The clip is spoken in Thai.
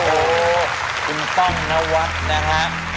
โอ้โหคุณป้องนวัดนะครับ